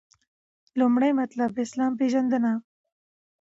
لومړی مطلب : اسلام پیژندنه